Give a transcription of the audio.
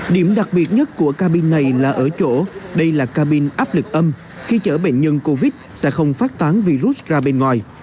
điểm đặc biệt nhất của cabin này là ở chỗ đây là cabin áp lực âm khi chở bệnh nhân covid sẽ không phát tán virus ra bên ngoài